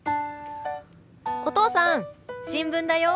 お父さん新聞だよ。